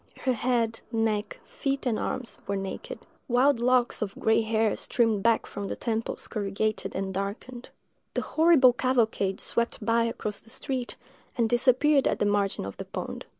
Her head, neck, feet, and arms, were naked; wild locks of gray hair streamed back from temples corrugated and darkened. The horrible cavalcade swept by across the street, and disappeared at the margin of the pond."